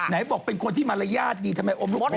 ไหนบอกเป็นคนที่มารยาทดีทำไมอมลูกอม